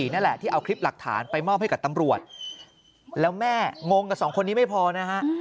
นั่นแหละที่เอาคลิปหลักฐานไปมอบให้กับตำรวจแล้วแม่งงกับสองคนนี้ไม่พอนะฮะ